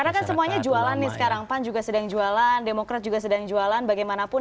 karena kan semuanya jualan nih sekarang pan juga sedang jualan demokrat juga sedang jualan bagaimanapun